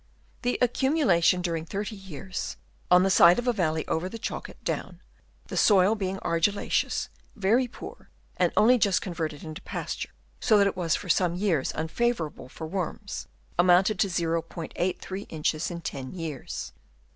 The accumulation during 30 years on the side of a valley over the Chalk at Down, the soil being argillaceous, very poor, and only just converted into pasture (so that it was for some years unfavourable for worms), amounted to 0*83 inches in 10 years.